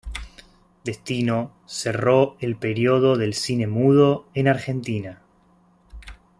Destino cerró el periodo del cine mudo en Argentina.